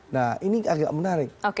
nah ini agak menarik